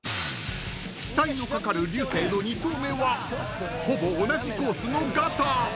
［期待のかかる流星の２投目はほぼ同じコースのガター］